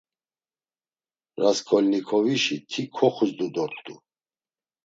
Rasǩolnikovişi ti koxuzdu dort̆u.